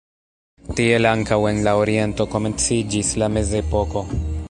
Tiel ankaŭ en la oriento komenciĝis la mezepoko.